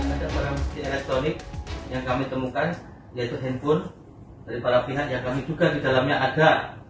ada barang bukti elektronik yang kami temukan yaitu handphone dari para pihak yang kami duga di dalamnya ada